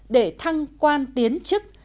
để thăng quan tiến chức